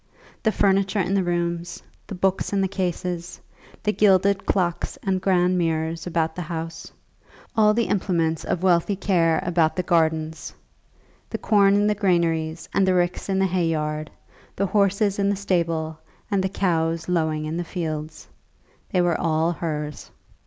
The furniture in the rooms, the books in the cases, the gilded clocks and grand mirrors about the house, all the implements of wealthy care about the gardens, the corn in the granaries and the ricks in the hay yard, the horses in the stable, and the cows lowing in the fields, they were all hers.